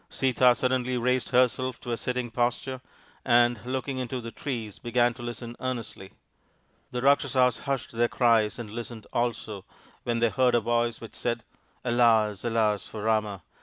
Sita suddenly raised herself to a sitting posture and, looking into the trees, began to listen earnestly. The Rakshasas hushed their cries and listened also, when they heard a voice which said, " Alas, alas, for Rama !